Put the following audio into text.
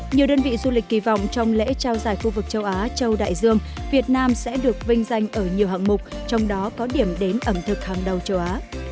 nhiều đơn vị du lịch kỳ vọng trong lễ trao giải khu vực châu á châu đại dương việt nam sẽ được vinh danh ở nhiều hạng mục trong đó có điểm đến ẩm thực hàng đầu châu á